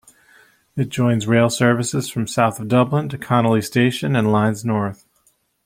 It joins rail services from south of Dublin to Connolly Station and lines north.